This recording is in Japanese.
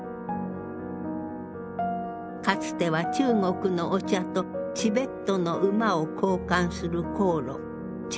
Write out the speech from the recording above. かつては中国のお茶とチベットの馬を交換する行路茶